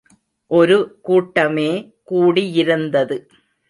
ஒரு கூட்டமே கூடியிருந்தது.